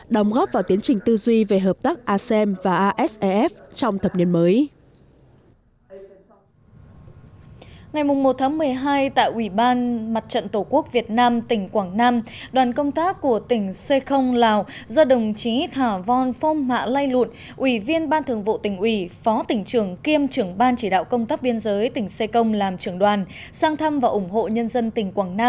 đồng góp vào tiến trình tư duy về hợp tác asem và asef trong thập niên mới